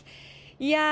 いやー、